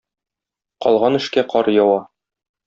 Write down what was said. Калган эшкә кар ява.